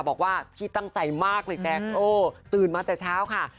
บอกว่าพี่ตั้งใจมากเลยแจ๊คโอ้ตื่นมาแต่เช้าค่ะ